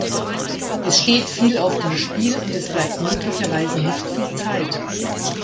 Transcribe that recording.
Es steht viel auf dem Spiel, und es bleibt möglicherweise nicht viel Zeit.